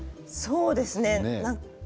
そうですよね。